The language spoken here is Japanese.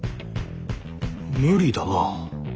無理だな。